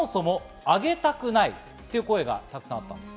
そもそもあげたくないという声がたくさんあったんです。